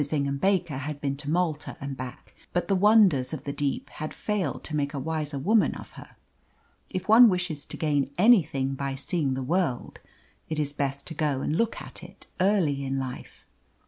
Ingham Baker had been to Malta and back, but the wonders of the deep had failed to make a wiser woman of her. If one wishes to gain anything by seeing the world, it is best to go and look at it early in life.